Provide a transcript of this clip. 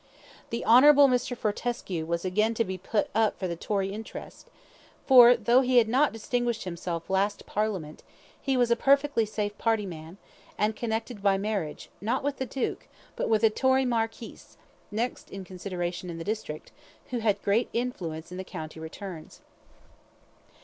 The Honourable Mr. Fortescue was again to be put up for the Tory interest, for though he had not distinguished himself last parliament, he was a perfectly safe party man, and connected by marriage, not with the duke, but with a Tory marquis, next in consideration in the district, who had great influence in the county returns.